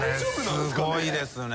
すごいですね。